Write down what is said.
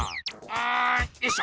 んよいしょ！